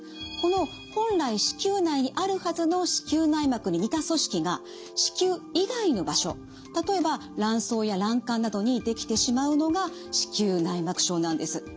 この本来子宮内にあるはずの子宮内膜に似た組織が子宮以外の場所例えば卵巣や卵管などにできてしまうのが子宮内膜症なんです。